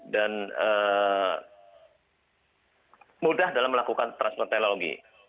dan mudah dalam melakukan transfer teknologi